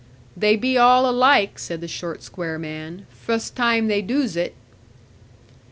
'They be all alike,' said the short square man, 'fust time as they doos it.'